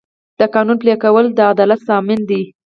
د قانون پلي کول د عدالت ضامن دی.